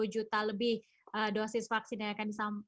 dua ratus tujuh puluh juta lebih dosis vaksin yang akan